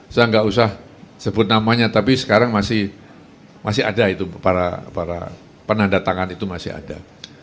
saya nggak usah sebut namanya tapi sekarang masih ada itu para penanda tangan itu masih ada